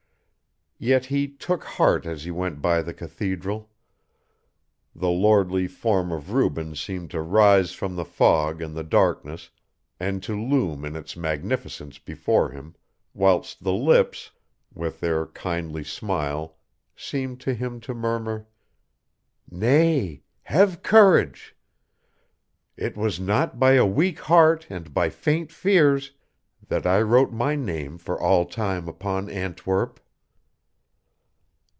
Yet he took heart as he went by the cathedral: the lordly form of Rubens seemed to rise from the fog and the darkness, and to loom in its magnificence before him, whilst the lips, with their kindly smile, seemed to him to murmur, "Nay, have courage! It was not by a weak heart and by faint fears that I wrote my name for all time upon Antwerp."